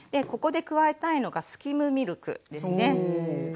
ここで加えたいのがスキムミルクですね。